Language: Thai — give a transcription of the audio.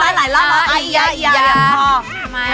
อ่าอียาอียาอ๋อ